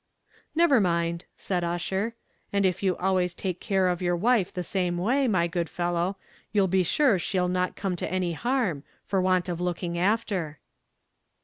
"Never mind," said Ussher; "and if you always take care of your wife the same way, my good fellow, you'll be sure she'll not come to any harm, for want of looking after."